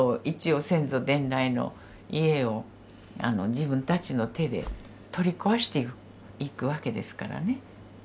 一応先祖伝来の家を自分たちの手で取り壊していくわけですからね。